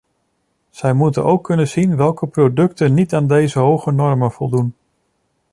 Zij moeten ook kunnen zien welke producten niet aan deze hoge normen voldoen.